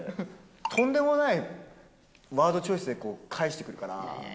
とんでもないワードチョイスで返してくるから。